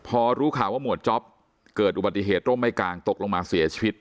พอรู้ข่าวว่าหมวดจ๊อปเกิดอุบัติเหตุร่มไม่กลางตกลงมาเสียชีวิต